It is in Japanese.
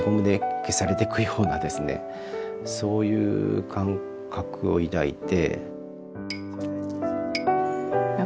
そういう感覚を抱いて。